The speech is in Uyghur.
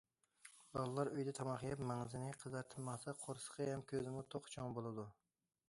بالىلار ئۆيىدە تاماق يەپ مەڭزىنى قىزارتىپ ماڭسا، قورسىقى ھەم كۆزىمۇ توق چوڭ بولىدۇ.